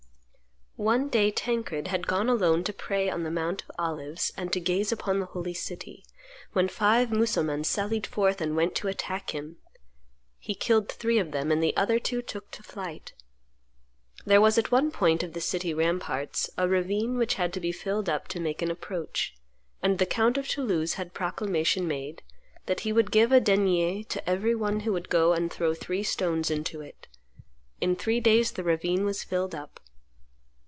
One day Tancred had gone alone to pray on the Mount of Olives and to gaze upon the holy city, when five Mussulmans sallied forth and went to attack him; he killed three of them, and the other two took to flight. There was at one point of the city ramparts a ravine which had to be filled up to make an approach; and the count of Toulouse had proclamation made that be would give a denier to every one who would go and throw three stones into it. In three days the ravine was filled up.